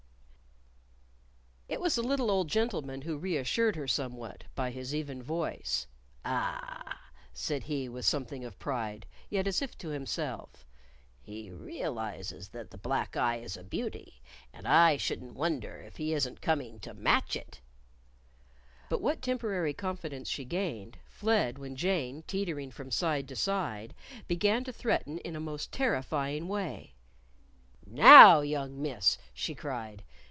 _" It was the little old gentleman who reassured her somewhat by his even voice. "Ah!" said he with something of pride, yet as if to himself. "He realizes that the black eye is a beauty. And I shouldn't wonder if he isn't coming to match it!" But what temporary confidence she gained, fled when Jane, tettering from side to side, began to threaten in a most terrifying way. "Now, young Miss!" she cried.